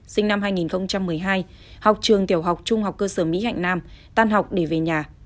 sinh năm hai nghìn một mươi hai học trường tiểu học trung học cơ sở mỹ hạnh nam tan học để về nhà